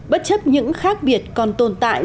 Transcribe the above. bất chấp những khác biệt còn tồn tại